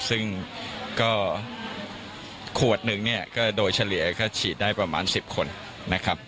ซึ่งก็ขวดหนึ่งเนี่ยก็โดยเฉลี่ยก็ฉีดได้ประมาณ๑๐คนนะครับ